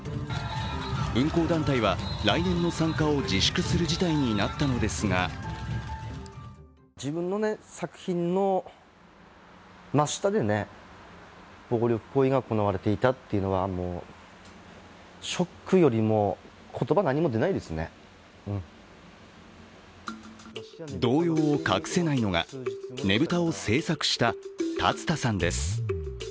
運行団体は来年の参加を自粛する事態になったのですが動揺を隠せないのが、ねぶたを制作した立田さんです。